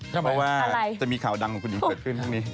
เพราะว่าจะมีข่าวดังของคุณหญิงเกิดขึ้นทั้งนี้